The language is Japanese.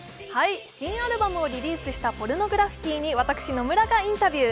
新アルバムをリリースしたポルノグラフィティに私・野村がインタビュー